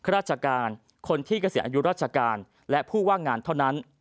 ราชการคนที่เกษียณอายุราชการและผู้ว่างงานเท่านั้น